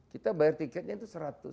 kita bayar tiketnya itu seratus